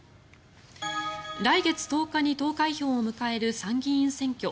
来月１０日に投開票を迎える参議院選挙。